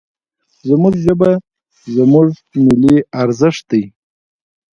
زموږ ژبه، زموږ ملي ارزښت دی.